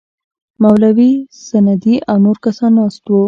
مولوي سندی او نور کسان ناست وو.